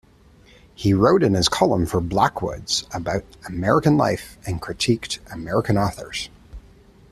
He wrote in his column for "Blackwood's" about American life and critiqued American authors.